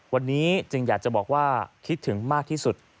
วันนี้จึงอยากจะบอกว่าคิดถึงมากที่สุด